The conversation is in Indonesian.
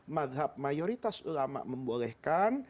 madhab mayoritas ulama membolehkan